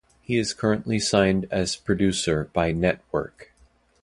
He is currently signed as producer by Nettwerk.